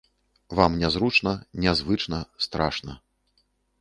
Вам нязручна, нязвычна, страшна.